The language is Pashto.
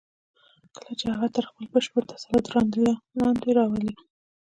کله چې هغه تر خپل بشپړ تسلط لاندې راولئ.